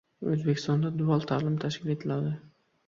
O‘zbekistonda dual ta’lim tashkil etiladi